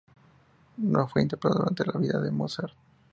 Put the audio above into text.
No fue interpretado durante la vida de Mozart.